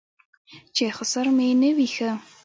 چې خسر مې نه وي ښه.